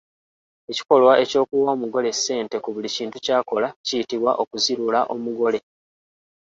Ekikolwa ekyokuwa omugole ssente ku buli kintu ky’akola kiyitibwa okuzirula omugole.